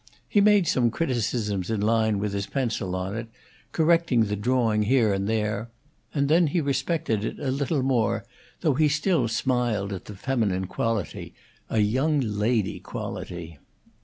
He made some criticisms in line with his pencil on it, correcting the drawing here and there, and then he respected it a little more, though he still smiled at the feminine quality a young lady quality.